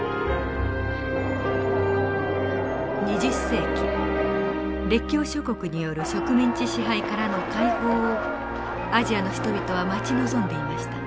２０世紀列強諸国による植民地支配からの解放をアジアの人々は待ち望んでいました。